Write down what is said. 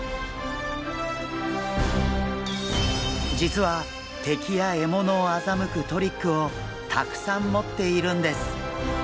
実は敵や獲物をあざむくトリックをたくさん持っているんです！